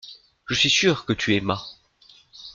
Je suis sûr que tu aimas.